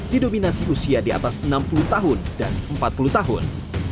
didominasi usia di atas enam puluh tahun dan empat puluh tahun